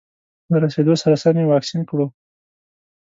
له رسېدو سره سم یې واکسین کړو.